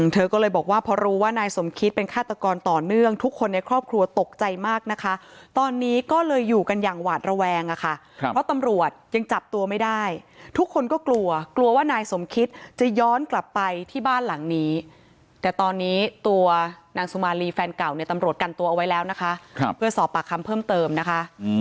เธอก็เลยบอกว่าพอรู้ว่านายสมคิดเป็นฆาตกรต่อเนื่องทุกคนในครอบครัวตกใจมากนะคะตอนนี้ก็เลยอยู่กันอย่างหวาดระแวงอะค่ะเพราะตำรวจยังจับตัวไม่ได้ทุกคนก็กลัวกลัวว่านายสมคิดจะย้อนกลับไปที่บ้านหลังนี้แต่ตอนนี้ตัวนางสุมารีแฟนเก่าเนี่ยตำรวจกันตัวเอาไว้แล้วนะคะเพื่อสอบปากคำเพิ่มเติมนะคะ